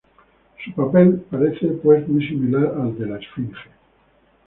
Su papel parece pues muy similar al de la Esfinge.